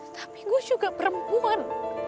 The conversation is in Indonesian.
tapi gue juga perempuan